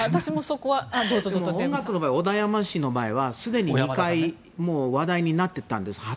音楽の場合小山田さんの場合はすでに話題になっていたんです